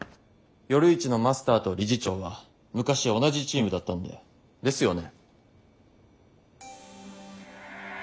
よるイチのマスターと理事長は昔同じチームだったんだよ。ですよね？